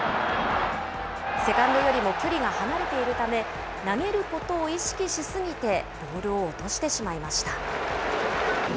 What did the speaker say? セカンドよりも距離が離れているため、投げることを意識し過ぎてボールを落としてしまいました。